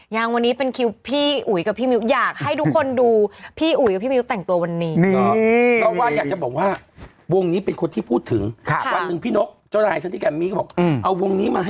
อย่างพอนะว่าใช้ตรงหน้าร้านน้ำผุ้ของเรา